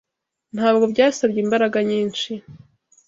Ntabwo byasabye imbaraga nyinshi